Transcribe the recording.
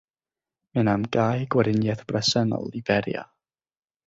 Mae'n amgáu gweriniaeth bresennol Liberia.